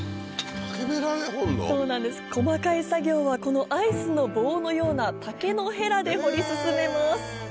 細かい作業はこのアイスの棒のような竹のヘラで掘り進めます